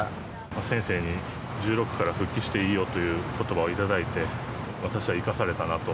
先生に１６から復帰していいよということばを頂いて、私は生かされたなと。